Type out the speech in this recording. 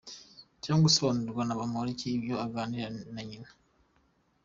Cyangwa gusobanurirwa na Bampoliki ibyo aganira na nyina?